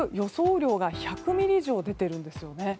雨量が１００ミリ以上出てるんですよね。